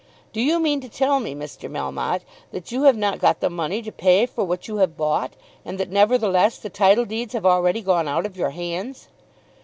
"Do you mean to tell me, Mr. Melmotte, that you have not got the money to pay for what you have bought, and that nevertheless the title deeds have already gone out of your hands?"